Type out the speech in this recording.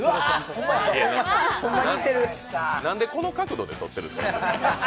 何でこの角度で撮ってるんですか？